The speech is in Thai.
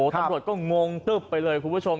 ตำรวจก็งงตึ๊บไปเลยคุณผู้ชม